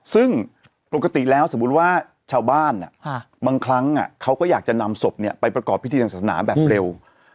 ซึ่งปกติแล้วสมมุติว่าชาวบ้านบางครั้งเขาก็อยากจะนำศพไปประกอบพิธีทางศาสนาแบบเร็ว